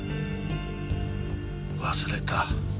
忘れた。